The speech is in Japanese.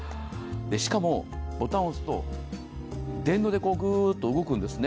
しかも、ボタンを押すと電動でぐーっと動くんですね。